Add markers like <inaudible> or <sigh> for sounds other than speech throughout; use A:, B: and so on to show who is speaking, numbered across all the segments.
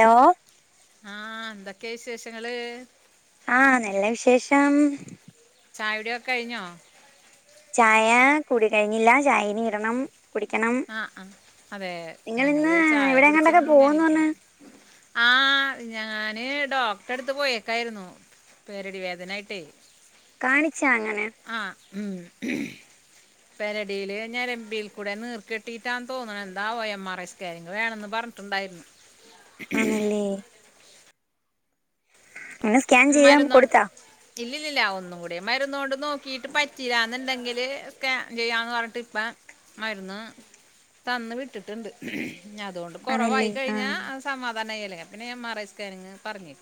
A: Law ഹോ
B: ആഹ്. എന്തൊക്കെ വിശേഷങ്ങള്?
A: ആഹ് നല്ല വിശേഷം.
B: ചായടിയൊക്കെ കഴിഞ്ഞോ?
A: ചായ കുടി കഴിഞ്ഞില്ല ചായനി ഇടണം. കുടിക്കണം
B: ആഹ് ആഹ് അതെ
A: നിങ്ങളിന്ന്
B: ഞങ്ങള് ചായ
A: എവിടെങ്ങാണ്ടൊക്കെ
B: കുടിച്ച്ങ്ങനെ
A: പോവന്ന് പറഞ്ഞ്
B: ഇരിക്കണ്- ആഹ് ഞാന് ഡോക്ടറെ അട്ത്തേക്ക് പോയേക്കായിരുന്നു. പെരടി വേദനായിട്ടേ-
A: കാണിച്ചാങ്ങനെ?
B: ആഹ് മ് പെരടിയില് ഞെരെബിൽ കൂടെ നീർ കെട്ടിയിട്ടാന്ന് തോന്നണ് എന്താവോ എം ആർ ഐ സ്കാനിംഗ് വേണന്ന് പറഞ്ഞിണ്ടായിരുന്നു.
A: ആന്നല്ലേ? ആണ് സ്
B: മരന്നൊണ്ട് ഇല്ലി ല്ലില്ല ഒന്നും കൂടി മരുന്നോണ്ട് നോക്കിട്ട് പറ്റീല്ല ന്ന്ണ്ടങ്കില് സ്കാൻ ചെയ്യാന്ന് പറഞ്ഞിട്ട് ഇപ്പ മരുന്ന് തന്ന് വിട്ടിട്ടുണ്ട് നി അതോണ്ട് കുറവായി
A: ആന്നല്ലേ
B: കഴിഞ്ഞാ
A: ആഹ്
B: അ സമാധാനം ആയിലെ പിന്നെ എം ആർ ഐ സ്കാനിങ്ങ് പറഞ്ഞി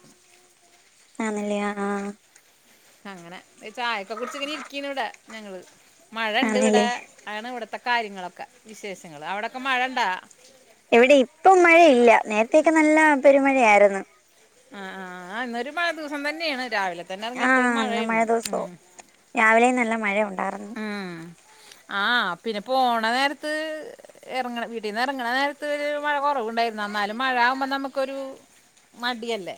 A: ആന്നല്ലെ ആഹ് ആഹ്
B: അങ്ങനെ ഒരു ചായൊക്കെ കുടിച്ചങ്ങനെ ഇരിക്കന്ന് ഇടെ ഞങ്ങള് മഴ ഇണ്ട് ഇവടെ
A: ആന്നല്ലേ
B: ആണ് ഇവിടത്തെ കാര്യങ്ങളൊക്കെ വിശേഷങ്ങൾ അവിടൊക്കെ മഴ ണ്ടാ?
A: ഇവിടെ ഇപ്പം മഴയില്ല നേരത്തേക്കെ നല്ല പെരുമഴയായിരുന്നു.
B: ആഹ് ആഹ് ആഹ് ഇന്നൊരു മഴ ദിസോ തന്നേണ് രാവിലെ തന്നെ എറങ്ങിയപ്പൊഴും മഴായിരുന്നു ഉം.
A: രാവിലേം നല്ല മഴയുണ്ടായർന്ന്-
B: ഉം ആഹ് പിന്നെ പ്പോണ നേരത്ത് ഇറങ്ങണ വീട്ടീന്ന് ഇറങ്ങണ നേരത്ത് മഴ കുറവ്ണ്ടായിരുന്നു എന്നാലും മഴ ആകുമ്പോ നമുക്കൊരു മടിയല്ലേ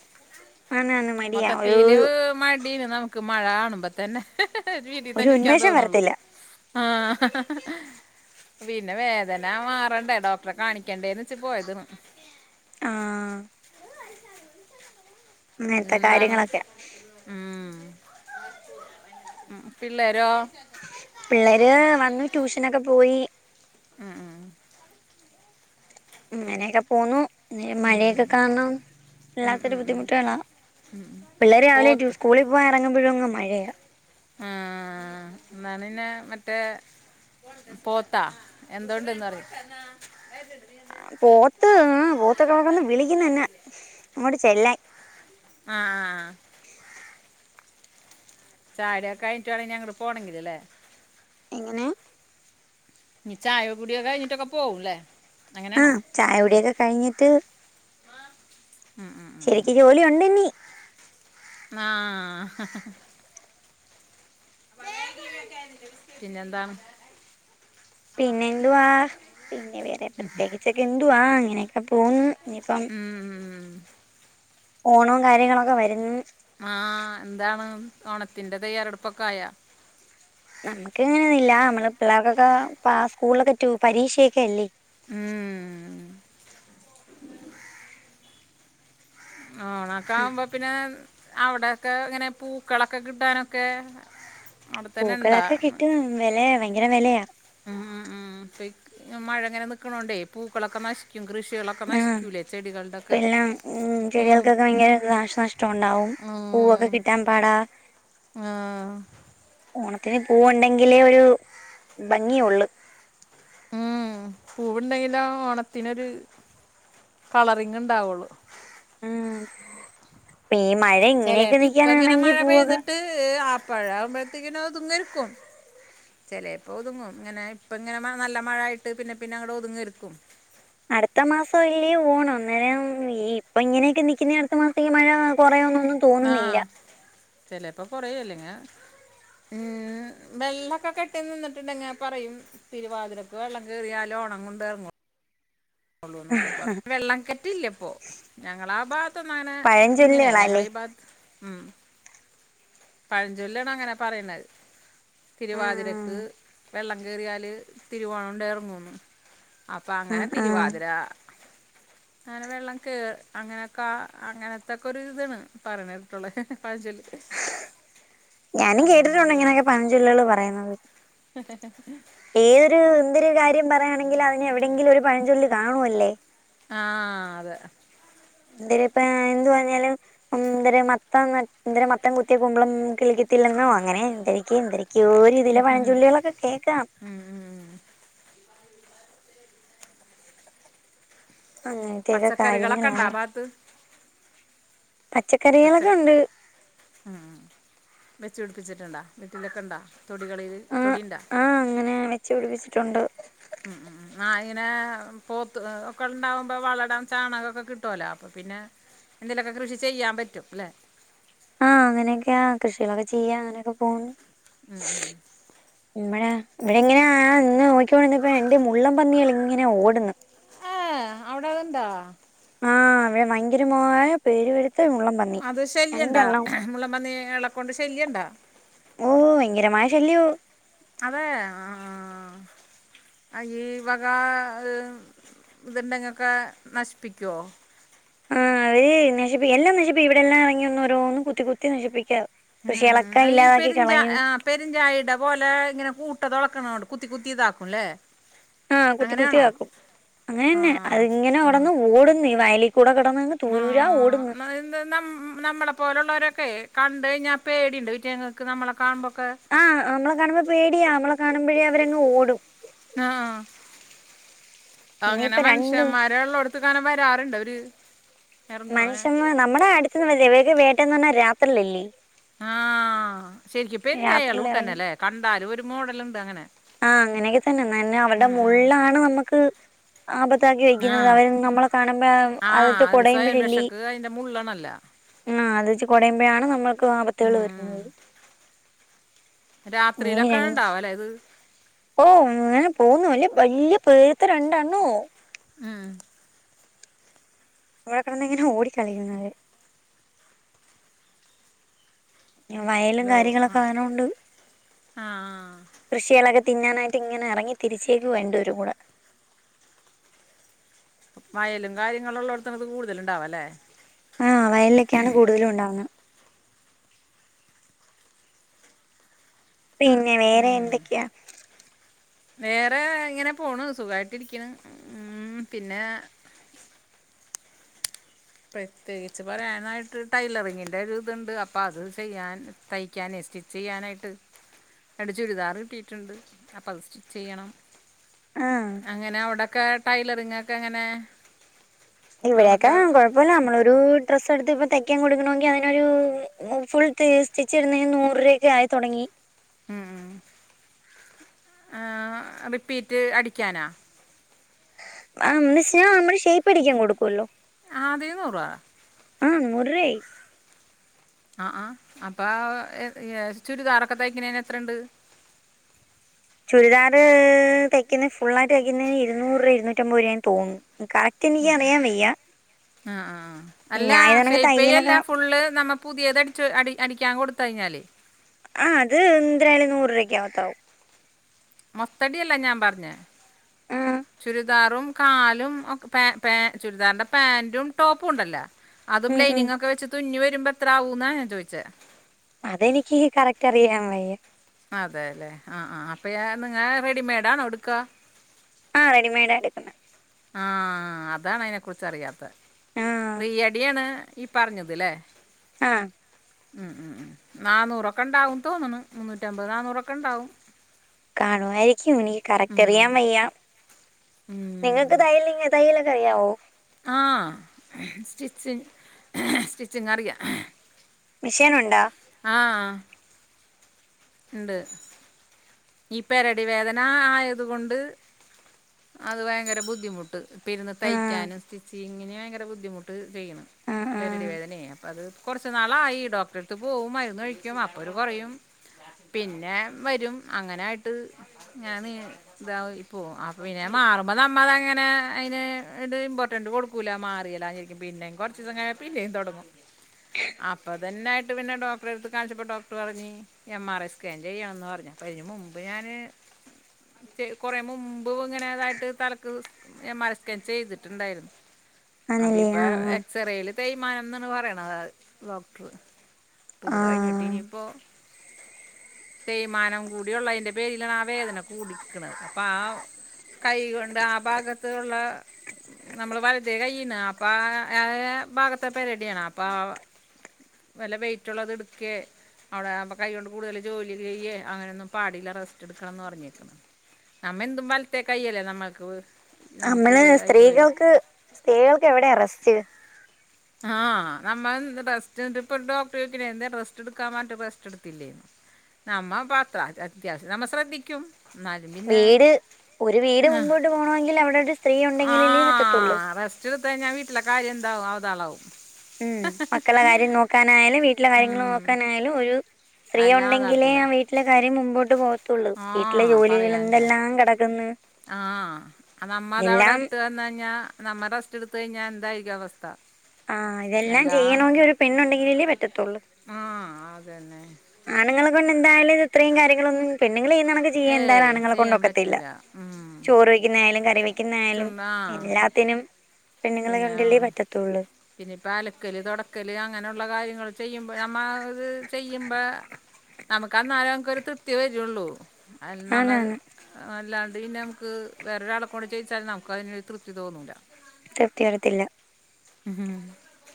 A: ആന്ന് ആന്ന് മടിയാ ഒരു
B: മൊത്തത്തില് മഴ തീൻ നമുക്ക് മഴ കാണുമ്പോ തന്നെ വീട്ട
A: ഒരു
B: തന്നെരിക്കാൻ
A: ഉന്മേഷം വരത്തില്ല
B: ആഹ് പിന്നെ വേദന മാറണ്ടേ ഡോക്ടറെ കാണിക്കണ്ടേന്ന് വച്ച് പോയതാണ്.
A: ആഹ് അങ്ങനത്തെ
B: പിന്നെന്താണ്
A: കാര്യങ്ങളൊക്കെ
B: മ്മ് പിള്ളേരോ?
A: പിള്ളേര് വന്ന് ട്യൂഷനൊക്കെ പോയി.
B: മ്മ്.
A: അങ്ങനെയൊക്കെ പോന്നു നി
B: ഉം
A: മഴയൊക്കെ കാണണം-
B: ഉം
A: വല്ലാത്തൊരു
B: ഉം ഉം
A: ബുദ്ധിമുട്ടാണ് പിള്ളേര് രാവിലെ റ്റ്
B: പോത്ത്
A: സ്കൂളിൽ പോയി എറങ്ങുബൊഴും അങ്ങ് മഴയ
B: ആഹ് ന്നാ പിന്നെ മറ്റേ? പോത്താ എന്തോണ്ടന്നറി
A: പോത്ത് മ് പോത്തക്കക്കൊന്ന് വിളിക്കന്ന തന്നെ അങ്ങോട്ട് ചെല്ലാൻ
B: ആഹ് ആഹ് ചാടിയൊക്കെ കഴിഞ്ഞട്ടാവാണ നി ങ്ങട്ട് പോണങ്കില് ലെ
A: എങ്ങനെ?
B: ഇനി ചായ കുടിയൊക്കെ കഴിഞ്ഞിട്ടൊക്കെ പോവുലെ?
A: ആഹ് ചായവിടെയൊക്കെ കഴിഞ്ഞിട്ട്-
B: മ് മ്
A: ശരിക്ക് ജോലി ഉണ്ട് ഇനി
B: മ് ആ പിന്നെന്താ
A: പിന്നെ എന്തുവാ പിന്നെ വേറെ പ്രത്യേകിച്ചൊക്കെ എന്തുവാ അങ്ങനെയ അ പോവ്ന്ന് ഇനിപ്പം
B: ഉം, ഉം, ഉം.
A: ഓണവും കാര്യങ്ങളൊക്കെ വരുന്ന്
B: ആ എന്താണ് ഓണത്തിന്റെ തയ്യാറെടുപ്പൊക്കെ ആയാ
A: നമുക്ക് ങ്ങനെയില്ല നമ്മള് പിള്ളേർക്കൊക്കെ പ സ്കൂളിലൊക്കെ റ്റു പരീക്ഷയൊക്കെ അല്ലേ
B: മ് ആണ ക്കാമ്പോതിന് അവിടെൊക്കെ ഇങ്ങനെ പൂക്കളൊക്കെ കിട്ടാനൊക്കെ അവിടെ തന്നെ
A: പൂക്കളൊക്കെ
B: ഉണ്ടാ
A: കിട്ടും വലെ ഭയങ്കര വേലെയാ.
B: ഉ ഉം മഴങ്ങനെ നക്കണോണ്ടേ പൂക്കളൊക്കെ നഷ്
A: ആഹ മ്
B: ഉം
A: ചെടികൾക്കൊക്കെ ഭയങ്കര നാശനഷ്ടം ണ്ടാവും. പൂവൊക്കെ കിട്ടാൻ പാടാ.
B: ആഹ.
A: ഓണത്തിന് പൂവണ്ടെങ്കിലേ ഒരു ഭംഗി യൊള്ളു.
B: ഉം പൂവുണ്ടെങ്കിലാണ് ഓണത്തിനൊരു കളറിങ് ണ്ടാവുള്ളൂ.
A: ഉം ഈ മഴ ഇങ്ങനെയൊക്കെ നി ൽക്കാനാണെങ്കിൽ പൂവൊക്കെ
B: ഈ ആ പഴമ്പോഴത്തേക്കന അഹ്തിന്നർക്കു. ചെലപ്പോ ഒതുങ്ങും ഇങ്ങനെ ഇപ്പ ഇങ്ങനെ നല്ല മഴായിട്ട് പിന്നെ പിന്നെ അങ്ങടെ ഒതുങ്ങരെക്കും
A: അടുത്ത മാസം ആല്ലിയോ ഓണം അന്നേരം ഈ ഇപ്പൊ ഇങ്ങനെയൊക്കെ നൽിക്കുന്ന അടുത്ത മാസത്തേക്ക് മഴ കുറയോന്ന
B: ആഹ ചിലപ്പോ കുറയല്ലെങ്ങ ഉം വെള്ളൊക്കെ കെട്ടി നിന്നിട്ടുണ്ടങ്ങ പറയും തിരുവാതിരക്കക്ക് വെള്ളം കേറി റിയാലോ ഓണം കൊണ്ട ഇറങ്ങും. ഉള്ളൂ എന്നൊക്കെ പറ വെള്ളം കെറ്റില്ലപ്പൊ. ഞങ്ങളാ ഭാഗത്തൊന്ന അങ്ങനെ ഇങ്ങനെ
A: പഴഞ്ചൊല്ലുകളല്ലേ
B: ഞങ്ങളീ ഭാഗത്ത് ഉം പഴഞ്ചൊല്ലാണ് അങ്ങനെ പറയണുന്നത് തിരുവാതിരക്ക്
A: ആഹ്
B: വെള്ളം കേറിയാല് തിരുവോണം ഉണ്ടെഇറങ്ങുന്ന്. അപ്പൊ അങ്ങനെ
A: ആഹ് ആഹ്
B: തിരുവാതിര അങ്ങനെ വെള്ളം കേ അങ്ങനെയൊക്കെ അങ്ങനത്തൊക്കെ ഒരു ഇതാണ് പറയണട്ടുള്ള പഴച്ചോല്.
A: ഞാനും കേട്ടിട്ടുണ്ട് ഇങ്ങനെയൊക്കെ പനഞ്ചൊല്ലുള് പറയുന്നത്.
B: ഹ് ഹ്
A: ഏതൊരു എന്തൊരു കാര്യം പറയയാണെങ്കും അതിന് എവിടെയങ്കിലും ഒരു പഴഞ്ചൊല്ലി കാണുവല്ലേ.
B: ആഹ അതെ.
A: എന്തിരിപ്പോ എന്ത് പറഞ്ഞാലും. എ മത്തം ഇ മത്തം കുത്തിയെ കുമ്പളം കിളിക്കത്തില്ലെന്നോ അങ്ങനെ എന്തൊക്കെ എന്തിരി ക്ൂ രീതിെ പഴഞ്ചൊുള്ളികളൊക്കെ കേൾക്കാം.
B: ഉം ഉം ഉം
A: അങ്ങനത്തെയൊക്കെ
B: പച്ചക്കറികളൊക്കെണ്ടാ
A: കാര്യങ്ങളാണ്
B: ആഭാത്ത്. പച്ച
A: പച്ചക്കറികളൊക്കെ ണ്ട്.
B: ഉം വെച്ച് പിടിപ്പിച്ചിട്ടണ്ടോ വീട്ടിലൊക്കെ ണ്ടോ തൊടികളിൽ തൊടിയണ്ടോ.
A: ആഹ അങ്ങനെ വെച്ചു പിടിപ്പിച്ചിട്ടുണ്ട്.
B: ഉം ഉം ആ ഇനെ. പോത്ത് ഒക്കെ ണ്ടാാവുമ്പോ വളടംൻ ചാണകമൊക്കെ കിട്ടുവലോ അപ്പൊ പിന്നെ എന്തേലുമൊക്കെ കൃഷി ചെയ്യൻ പറ്റും അല്ലേ.
A: ആഹ് അങ്ങനെയൊക്കെയാ കൃഷികളൊക്കെ ചെയ്യാ അങ്ങനെയൊക്കെ പോണ്
B: ഉം ഉം
A: മ്മടെ ഇവിടെ എങ്ങനെയ ആ ഇന്ന് നോക്കിോണന്നപ്പോ ണ്ട് മുള്ളം പന്നികള ഇങ്ങനെ ഓടുന്ന്.
B: ആഏ അവിടെത്ണ്ടാ
A: ആഹ് ഇവടെ ഭയങ്കരമായ പെരു പെരുത്ത മുള്ളപ
B: അത് ശല്യണ്ടാ മുള്ള പന്നിളെകൊണ്ട് ശല്യംണ്ടാ?
A: ഓഹ് ഭയങ്കരമായ ശല്ല്യോ.
B: അതെ ആഹ് അയ്യേ ഇ വകാ ഇത്ണ്ടെങ്കൊക്കെ നശിപ്പിക്കോ?
A: ആഹ് അവര് നശിപ്പിക്ക എല്ലാം നശിപ്പിക്കും ഇവടെ എല്ലാം <unintelligible> ഒരോന്നും കുത്തി കുത്തി നശിപ്പിക്ക. കൃഷികളൊക്കെ ഇല്ലാതാക്കി കളയും.
B: പെരുഞ്ചായട പോലെ ഇങ്ങനെ കൂട്ട തൊളക്ക്ണോണ്ട് കുത്തികുത്തി താക്കുംല്ലേ?
A: ആഹ് കുത്തി കുത്തി താക്കും
B: ആ
A: അങ്ങനെന്നെ അത് ഇങ്ങനെ അവടന്ന് ഓടുന്നേ വയലി കൂടെ കെടന്ന്
B: ആഹ് <unintelligible> നമ്മ് നമ്മളെ പോലുള്ളവരൊക്കെ കണ്ട് കഴിഞ്ഞാ പേടിണ്ട് ഇറ്റേങ്ങക്ക് നമ്മള കാണുമ്പോക്കെ.
A: ആഹ് നമ്മള കാണുമ്പോ പേടിയാ നമ്മളെ കാണുമ്പോഴേ അവരങ്ങ് ഓടും.
B: ആഹ് അങ്ങനെ
A: ഇനിയിപ്പ രണ്ട്
B: മനുഷ്യന്മാര ഉള്ളോ കാണുമ്പ വരാറുണ്ട് അവര് ഇറങ്ങും അവനെ
A: മനുഷ്യമ നമ്മുടെ അടുത്ത്ന്ന് <unintelligible> വേട്ട ന്ന ർഞ്ഞാ രാത്രിലല്ലേ.
B: ആഹ് ശരിക്ക് <unintelligible>
A: രാത്രിയിൽ
B: ലൂട്ട ന്നെ
A: ഇറങ്ങി
B: ല്ലേ കണ്ടാലും ഒരു മോഡലുണ്ട് അങ്ങനെ.
A: ആഹ് അങ്ങനെയൊക്കെ തന്നെ ന്നന്നെ അവരുടെ
B: ഉം ഉം
A: മുള്ളാണ് നമ്മക്ക്. ആപത്താക്കി
B: ആ
A: വെക്കുന്നത് അവര് നമ്മളെ കാണുമ്പോ
B: ആ
A: അത്ട്ട്
B: ഒരു സ്വയം
A: കൊടയുമ്പോഴല്ലേ.
B: രക്ഷക്ക് അതിൻ്റെ മുള്ളണല്ല
A: ആഹ് അത് വെച്ച് കൊടയുമ്പോയാണ് നമ്മൾക്ക് ആപത്തുകൾ
B: ഉം.
A: വരുന്നത്.
B: രാത്രിയിലൊക്കെ ഉണ്ടാവും അല്ലേ ഇത്
A: <unintelligible> ഓഹ് ങ്ങനെ പോവ്ന്നു അല്ലെ വല്ല്യ പേത്തെ രണ്ടെണ്ണോ.
B: ആഹ്
A: ഇവടെ കെട്ന്ന് ങ്ങനെ ഓടി കളിക്കുന്ന നായര് വയൽ
B: ഹലോ ആ
A: കാര്യങ്ങളൊക്കെ അങ്ങനോണ്ട്.
B: ആ
A: കൃഷികളൊക്കെ തിന്നാനായിട്ട് ങ്ങനെ എറങ്ങി തിരിച്ചേക്ക് വ രണ്ട് പേരുകൂടെ.
B: വയലും കാര്യങ്ങളും ഉള്ളോട്ത്താണ് ത് കൂടുതലുണ്ടാവ ല്ലേ?
A: ആഹ് വയലിലൊക്കെയാണ് കൂടുതലും ഉണ്ടാവുന്ന. പിന്നെ വേറെ
B: ഉം.
A: എന്തൊക്ക്യ?
B: വേറെ ഇങ്ങനെ പോണ് സുഖായിട്ടിരിക്ക്ണ് ഉം പിന്നെ. പ്രത്യേകിച്ച് പറയാനായിട്ട് ടൈലറിങ്ങിൻ്റെ ഒരു ഇത്ണ്ട് അപ്പ അത് ചെയ്യാൻ. തയ്ക്കാനേ സ്റ്റിച്ച് ചെയ്യാനായിട്ട്. രണ്ട് ചുരിദാർ കിട്ടിട്ടുണ്ട് അപ്പ ത് സ്റ്റിച്ച് ചെയ്യണം.
A: ആഹ്
B: അങ്ങനെ അവടെക്കെ ടൈലറിങ്ങ് ക്കെ ങ്ങനെ?
A: ഇവിടെക്കെ കൊഴപ്പല്ല നമ്മളൊരു ഡ്രസ് എട്ത്ത് ഇപ്പ തയ്ക്കാൻ കൊടുക്കണങ്കി അതിനൊരു ഫുൾ തേ സ്റ്റിച്ച് ഇടുന്നേന് നൂറ് രൂപൊക്കെ ആയി തൊടങ്ങി.
B: ഉം ആഹ് വെട്ടിറ്റ് അടിക്കാനാ?
A: ആഹ് <unintelligible> നമ്മള് ഷൈപടിക്കാ കൊടുക്കുല്ലോ?
B: ആതിന്ന്നൂറോ?
A: നൂറ് രൂപയായി
B: ആഹ് ആഹ് അപ്പ ചുരിദാറൊക്കെ തയ്ക്കണേന് എത്ര ണ്ട്?
A: ചുരിദാർ തയ്ക്ക്ന്നേ ഫുള്ളായിട്ട് തയ്ക്ക്ന്നേന് ഇരുന്നൂറ്, ഇരുന്നറ്റമ്പത് രൂപ തോന്നു ക
B: ഉം ആഹ് ആഹ് അല്ല
A: ഞാൻ ഇതണക്ക്
B: ഷൈപ്പ്
A: തയ്യലൊക്കെ
B: ചെയ്യാല്ല ഫുള്ള് നമ്മ പുതിയത് അട്ച്ചോ അടി അടിക്കാൻ കൊട്ത്തഴിഞ്ഞാല്
A: ആഹ് അത് എന്ത്നായാലും നൂറ് രൂപക്ക ആകത്താവും.
B: മൊത്തടില്ല ഞാൻ പറഞ്ഞേ?
A: ആ
B: ചുരിദാറും കാലും പേ പേ ചുരിദാറ്ന്റെ പാന്റും ടോപ്പും ഉണ്ടല്ലോ? അതും
A: ഉം ഉം
B: ലൈനിങ്ങ് ഒക്കെ വെച്ച് തുന്നി വരുമ്പോ എത്രാവൂന്ന ഞാൻ ചോയിച്ചേ?
A: അതെനിക്ക് കറക്റ്റ് അറിയാൻ വയ്യേ.
B: അതെ ല്ലേ ആഹ് ആഹ് അപ്പ യാൻ റെഡിമെഡ് ആണോ എടുക്ക?
A: ആഹ് റെഡിമെഡാ എട്ക്കുന്നേ.
B: ആഹ് അതാണ് അതിനെ കുറിച്ച് അറിയാത്തെ
A: ആ
B: റീയടിയാണ് ഈ പറഞ്ഞത് ല്ലേ
A: ആഹ്
B: ഉം ഉം ഉം നാന്നൂറക്കെ ഉണ്ടാവുന്ന് തോന്നണ് മുന്നൂറ്റമ്പത് നാന്നൂറക്കെ ഉണ്ടാവും.
A: കാണുവായിരിക്കും എനിക്ക്
B: ഉം,
A: കറക്റ്റ്
B: ഉം.
A: അറിയാൻ വയ്യ
B: ഉം
A: നിങ്ങക്ക് തയ്യല് ന തയ്യലൊക്കെ അറിയാവോ?
B: ആഹ് സ്റ്റിച്ചിൻ സ്റ്റിച്ചിങ് അറിയാം.
A: മിഷേൻ ഒണ്ടാ
B: ആഹ് ഉണ്ട് ഈ പെരടി വേദന ആയതു കൊണ്ട് അത് ഭയങ്കര ബുദ്ധിമുട്ട് ഇപ്പിരുന്ന്
A: ആ
B: തയ്ക്കാനും സ്റ്റിച്ചിങ്ങിനു ഭയങ്കര ബുദ്ധിമു ട്ട് ചെയ്യണം
A: ആ ആ
B: പെരടി വേദനേ അപ്പോ അത് കൊറച്ച് നാളായി ഡോക്ടറടുത്ത് പോകും മരുന്ന് കഴിക്കും അപ്പോരു കൊറയും. പിന്നേം വരും അങ്ങനായിട്ട് ഞാന് ഇതാവും ഇപ്പോ അപ്പൊ പിന്നെ മാറുമ്പോ നമ്മളങ്ങനെ അതിന് ഇത് ഇമ്പോർട്ടന്റ് കൊടു <unintelligible> മാറിയാലായാരിക്കും പിന്നേം കൊറച്ച് ദിവസം കഴിഞ്ഞാൽ പിന്നെയും തൊടങ്ങും അപ്പൊ ഇതന്നെ ആയിട്ട് പിന്നെ ഡോക്ടറെടുത്ത് കാണിച്ചപ്പോ ഡോക്ടർ പറഞ്ഞു എം ആർ ഐ സ്കാൻ ചെയ്യാന്ന് പറഞ്ഞു അപ്പം അതിന് മുമ്പ് ഞാന് <unintelligible> കൊറെ മുമ്പ് ഇങ്ങനെ ഇതായിട്ട് തലക്ക് സ് എം ആർ ഐ സ്കാൻ ചെയ്തിട്ടുണ്ടായിരുന്നു അപ്പൊ
A: ആണല്ലേ
B: ഇപ്പ
A: ആ ആ
B: എക്സ്റേയില് തേയ്മാനംന്നാണ് പറയണത് ഡോക്ടറ് ഇത് കഴിഞ്ഞിട്ട്
A: ആ
B: ഇനിയിപ്പോ തേയ്മാനം കൂടിയുള്ളതിന്റെ പേരിലാണ് ആ വേദന കൂടിക്കണത് അപ്പൊ ആ കൈ കൊണ്ട് ആ ഭാഗത്ത് ഒള്ള നമ്മളെ വലത്തേ കൈയ്ണ് ആ അപ്പ ആ ഭാഗത്തെ പെരടി ആണ് അപ്പ വല്ല വെയിറ്റൊള്ളത് എടുക്കേ അവിടെ <unintelligible> കൈ കൊണ്ട് കൂടുതല് ജോലി ചെയ്യേ അങ്ങനൊന്നും പാടില്ല റസ്റ്റ് എടുക്കണംന്ന് പറഞ്ഞേക്കണ് നമ്മ എന്തും വലത്തെേ കയ്യല്ലേ നമ്മൾക്ക് <unintelligible>
A: നമ്മള്
B: നമുക്കിത് ആയിട്ട് വരും
A: സ്ത്രീകൾക്ക് സ്ത്രീകൾക്ക് എവിടെയ റസ്റ്റ്
B: ആഹ് നമ്മള് റെസ്റ്റ് എന്നിട്ട് ഇപ്പ ഡോക്ടർ ചോദിക്കണ് എന്തേ റസ്റ്റ് എടുക്കാൻ പറഞ്ഞിട്ട് റസ്റ്റ് എടുത്തില്ലേന്ന് നമ്മപ്പ അത്ര അത്യാവശ്യം നമ്മ ശ്രദ്ധിക്കും എന്നാലും പിന്നെ
A: വീട് ഒരു വീട് മുമ്പോട്ട് പോണമെങ്കില് അവിടെ ഒരു സ്ത്രീ ഒണ്ടെങ്കിലല്ലേ പറ്റത്തൊള്ള്
B: <unintelligible> എടുത്തു കഴിഞ്ഞാൽ വീട്ടില കാര്യം എന്താവും അവതാളാവും
A: ഉം മക്കള കാര്യം നോക്കാനായാലും വീട്ടിലെ കാര്യങ്ങള്
B: ഉം.
A: നോക്കാനായാലും ഒരു സ്ത്രീ
B: അല്ല
A: ഒണ്ടെങ്കിലേ
B: അതാളത്തില്ല
A: ആ വീട്ടിലെ കാര്യം മുമ്പോട്ട് പോകത്തുള്ളൂ
B: ആ
A: വീട്ടിലെ ജോലികള്
B: പറയാൻ്റെ
A: എന്തെല്ലാം കെടക്ക്ന്ന്
B: ആഹ് അത് നമ്മ അതവിടെ ഇട്ട് വന്ന് കഴിഞ്ഞാ നമ്മ റെസ് <unintelligible> എടുത്തു കഴിഞ്ഞാൽ എന്തായിരിക്കും അവസ്ഥ.
A: ആഹ് ഇതെല്ലാം
B: എല്ലാം
A: ചെയ്യണോങ്കി ഒരു പെണ്ണൊണ്ടെങ്കിലല്ലേ പറ്റത്തൊള്ള്
B: ആഹ് അതന്നെ
A: ആണുങ്ങളെ കൊണ്ട് എന്തായാലും ഇത് ഇത്രയും കാര്യങ്ങളൊന്നും പെണ്ണുങ്ങള് ചെയ്യുന്ന കണക്ക് ചെയ്യാൻ
B: ഏയ്
A: എന്തായാലും ആണുങ്ങളെ കൊണ്ട്
B: ചെയ്യാൻ
A: ഒക്കത്തില്ല
B: പറ്റൂല ഉം
A: ചോറ് വെക്കുന്നയാലും കറി വെ <unintelligible> ആയാലും എല്ലാത്തിനും പെണ്ണുങ്ങളെ
B: പിന്നാ
A: കൊണ്ടല്ലേ പറ്റത്തുള്ളൂ
B: പിന്നെ ഇപ്പ അലക്കല്, തൊടക്കല് അങ്ങനെയുള്ള കാര്യങ്ങള് ചെയ്യുമ്പ നമ്മ ഇത് ചെയ്യുമ്പ നമുക്കന്നാലേ നമുക്ക് ഒരു തൃപ്തി വരുള്ളൂ അത് നമ്മൾ
A: ആന്നാന്ന്
B: അല്ലാണ്ട് പിന്നെ നമുക്ക് വേറൊരാളെ കൊണ്ട് ചെയ്ച്ചാലും നമുക്ക് അതിനൊരു തൃപ്തി തോന്നൂല
A: തൃപ്തി വരത്തില്ല.
B: ഉം ഹ ഹ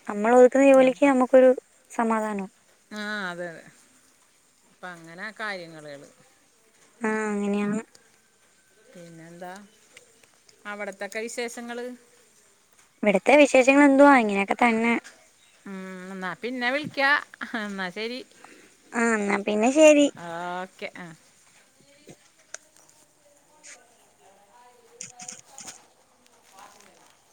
A: നമ്മള് ഒതുക്കുന്ന ജോലിക്ക് നമുക്കൊരു സമാധാനം.
B: ആ അതെ അതെ, അപ്പൊ അങ്ങനെ കാര്യങ്ങള് ഉള്ളത്.
A: ആ അങ്ങനെയാണ്
B: പിന്നെന്താ, അവിടത്തൊക്കെ വിശേഷങ്ങള്.
A: ഇവിടത്തെ വിശേഷങ്ങൾ എന്തുവാ, ഇങ്ങനെയൊക്കെ തന്നെ
B: ഉം എന്നാ പിന്നെ വിളിക്കാ, എന്നാ ശരി.
A: ആ എന്നാ പിന്നെ ശരി.
B: ഓക്കെ ആ.
A: <inaudible>
B: പ <inaudible>